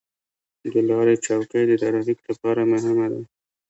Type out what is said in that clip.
د لارې چوکۍ د ترافیک لپاره مهمه ده.